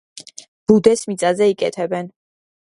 ბუდეს მიწაზე იკეთებენ.